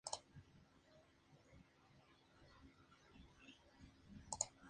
Ángela Contreras estaba en la cima, pero decidió retirarse para ser madre.